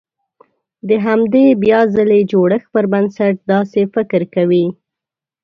د همدې بيا ځلې جوړښت پر بنسټ داسې فکر کوي.